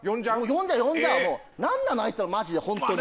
呼んじゃおう呼んじゃおうもう何なのあいつらマジでホントに。